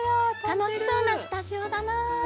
「楽しそうなスタジオだな」。